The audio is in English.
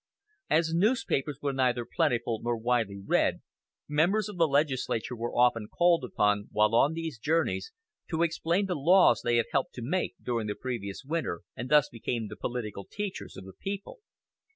As newspapers were neither plentiful nor widely read, members of the legislature were often called upon, while on these journeys, to explain the laws they had helped to make during the previous winter, and thus became the political teachers of the people.